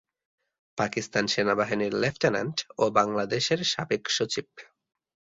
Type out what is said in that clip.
পাকিস্তান সেনাবাহিনীর লেফটেন্যান্ট ও বাংলাদেশের সাবেক সচিব।